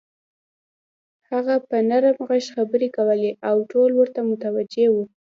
هغه په نرم غږ خبرې کولې او ټول ورته متوجه وو.